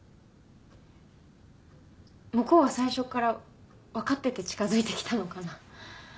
向こうは最初からわかってて近づいてきたのかな？